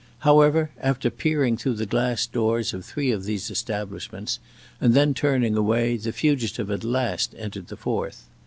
However, after peering through the glass doors of three of these establishments and then turning away, the fugitive at last entered the fourth.